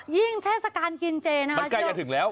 ยิ่งเทศกาลกินเจนมันใกล้จะถึงแล้ว